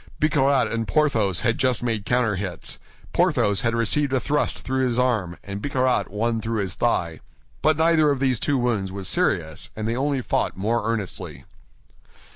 Bicarat and Porthos had just made counterhits. Porthos had received a thrust through his arm, and Bicarat one through his thigh. But neither of these two wounds was serious, and they only fought more earnestly.